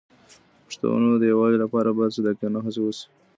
د پښتنو د یووالي لپاره باید صادقانه هڅې وشي.